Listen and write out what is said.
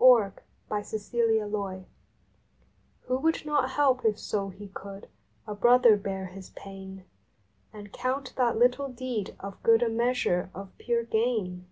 June Fourteenth FORTUNE VI/HO would not help if so he could a brother bear his pain And count that little deed of good a measure of pure gain?